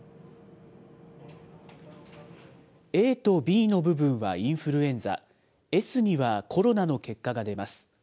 ＡとＢの部分はインフルエンザ、Ｓにはコロナの結果が出ます。